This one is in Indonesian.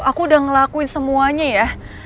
aku sudah melakukan semuanya ya